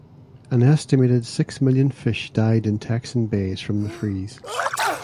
An estimated six million fish died in Texan bays from the freeze.